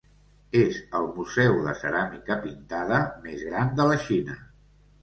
És el museu de ceràmica pintada més gran de la Xina.